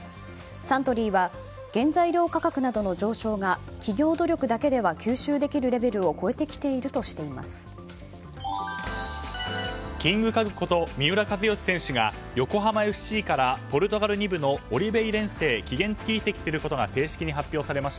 サントリーは原材料価格などの上昇が企業努力だけでは吸収できるレベルを超えてきているとしています。